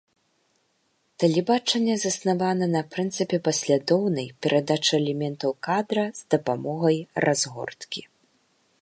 Тэлебачанне заснавана на прынцыпе паслядоўнай перадачы элементаў кадра з дапамогай разгорткі.